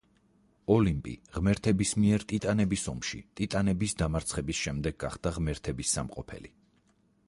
ოლიმპი ღმერთების მიერ ტიტანების ომში ტიტანების დამარცხების შემდეგ გახდა ღმერთების სამყოფელი.